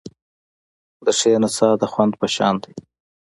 د ښې نڅا د خوند په شان دی.